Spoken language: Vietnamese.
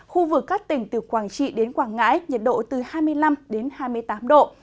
khu vực các tỉnh từ quảng trị đến quảng ngãi nhiệt độ từ hai mươi năm đến hai mươi tám độ